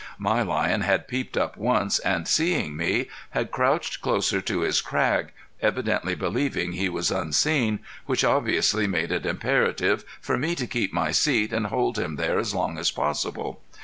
My lion had peeped up once, and, seeing me, had crouched closer to his crag, evidently believing he was unseen, which obviously made it imperative for me to keep my seat and hold him there as long as possible.